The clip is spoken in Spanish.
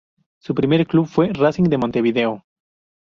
Su primer club fue Racing de Montevideo.